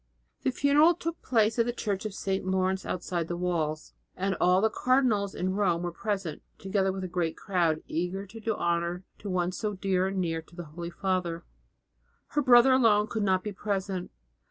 The funeral took place at the church of St. Laurence outside the Walls, and all the cardinals in Rome were present, together with a great crowd eager to do honour to one so near and dear to the Holy Father. Her brother alone could not be present.